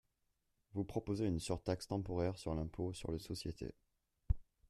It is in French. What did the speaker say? Vous proposez une surtaxe temporaire sur l’impôt sur les sociétés.